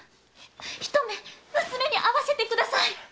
ひと目娘に会わせてください！